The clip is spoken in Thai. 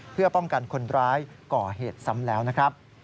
เพื่อป้องกันคนร้ายก่อเหตุซ้ำแล้วนะครับ